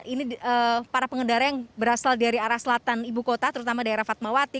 ini para pengendara yang berasal dari arah selatan ibu kota terutama daerah fatmawati